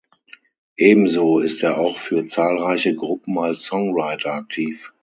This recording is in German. Ebenso ist er auch für zahlreiche Gruppen als Songwriter aktiv.